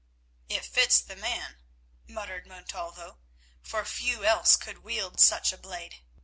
"It fits the man," muttered Montalvo, "for few else could wield such a blade.